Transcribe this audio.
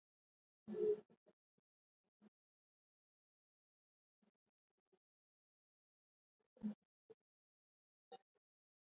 Mnyama kupepesuka na kushtukashtuka ni dalili ya ugonjwa wa mkojo damu